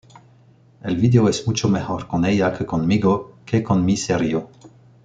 El vídeo es mucho mejor con ella que conmigo, que con mi ser yo.